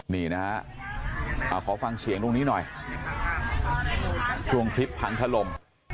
นี่นะฮะขอฟังเสียงตรงนี้หน่อยช่วงคลิปพังถล่ม